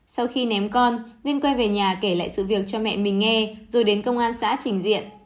sau khi ném con vinh quay về nhà kể lại sự việc cho mẹ mình nghe rồi đến công an xã trình diện